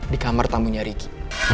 di kamar tamunya ricky